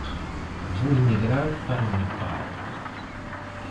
Vou emigrar para o Nepal.